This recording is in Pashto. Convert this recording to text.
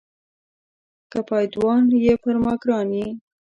که پایدوان یې پر ما ګران یې.